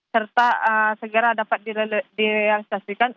serta segera dapat direalisasikan